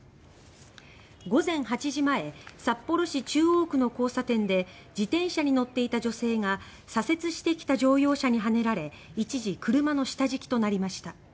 午前８時前札幌市中央区の交差点で自転車に乗っていた女性が左折してきた乗用車にはねられ一時、車の下敷きとなりました。